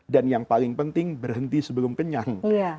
dan yang paling penting berhenti sebelum kenyang